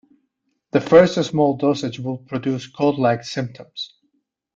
The first small dosage would produce cold-like symptoms.